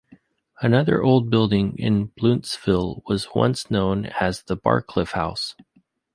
Another old building in Blountsville was once known as the Barclift House.